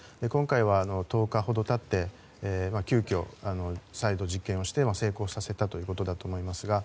今回は１０日ほど経って急きょ再度実験をして成功させたということだと思います。